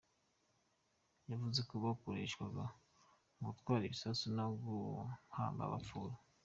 Yavuze ko bakoreshwaga mu gutwara ibisasu no guhamba abapfuye.